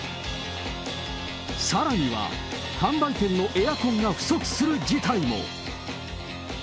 さらには販売店のエアコンが不足する事態も。